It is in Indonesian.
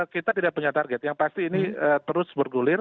kita tidak punya target yang pasti ini terus bergulir